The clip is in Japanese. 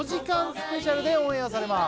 スペシャルでオンエアされます。